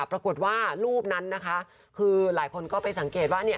ปรากฏว่ารูปนั้นนะคะคือหลายคนก็ไปสังเกตว่าเนี่ย